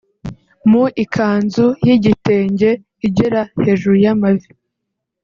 Mu ikanzu y’igitenge igera hejuru y’amavi